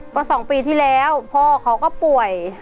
เพราะ๒ปีที่แล้วพ่อเขาก็ป่วย